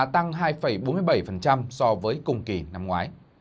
tăng hai bốn mươi bảy so với cùng kỳ năm ngoái